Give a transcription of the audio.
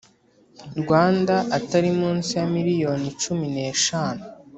Rwanda atari munsi ya miliyoni icumi n eshanu